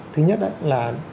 thứ nhất là